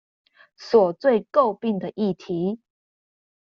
所最詬病的議題